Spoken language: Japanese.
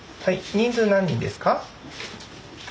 人数何人ですか？